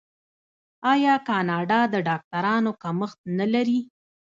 آیا کاناډا د ډاکټرانو کمښت نلري؟